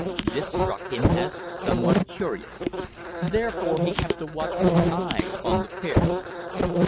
This struck him as somewhat curious; therefore he kept a watchful eye upon the pair.